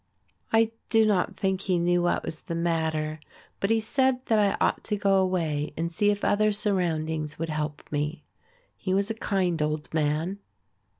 "I do not think he knew what was the matter; but he said that I ought to go away and see if other surroundings would help me. He was a kind old man."